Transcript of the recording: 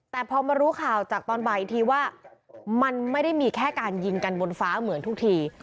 แต่พอมารู้ข่าวจากตอนบ่ายอีกทีว่ามันไม่ได้มีแค่การยิงกันบนฟ้าเหมือนทุกที